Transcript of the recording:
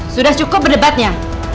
sudah cukup berdebatnya